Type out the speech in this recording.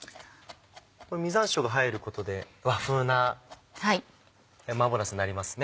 これ実山椒が入ることで和風な麻婆なすになりますね。